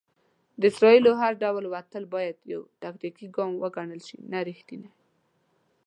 د اسرائیلو هر ډول وتل بايد يو "تاکتيکي ګام وګڼل شي، نه ريښتينی".